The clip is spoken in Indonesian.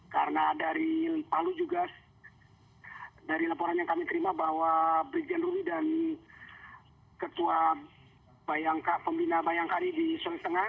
karena dari lalu juga dari laporan yang kami terima bahwa brikjen rudi dan ketua pembina bayangkari di sulawet tengah